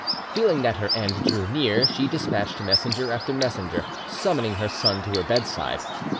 Feeling that her end drew near, she despatched messenger after messenger, summoning her son to her bedside.